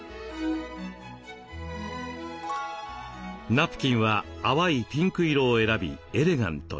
ナプキンは淡いピンク色を選びエレガントに。